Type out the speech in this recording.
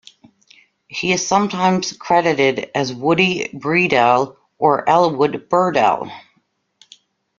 He is sometimes credited as Woody Bredell or Elwood Burdell.